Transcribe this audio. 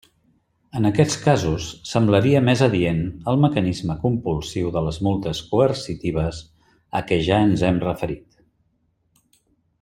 En aquests casos semblaria més adient el mecanisme compulsiu de les multes coercitives a què ja ens hem referit.